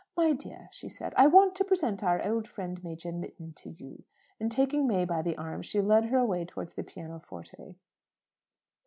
"My dear," she said, "I want to present our old friend, Major Mitton, to you;" and taking May by the arm, she led her away towards the pianoforte.